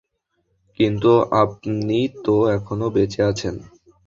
কিন্তু আপনি তো এখনো বেঁচে আছেন।